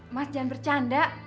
mas jangan bercanda